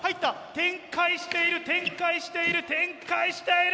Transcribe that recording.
展開している展開している展開している！